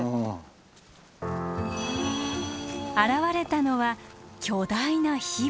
現れたのは巨大なヒバ。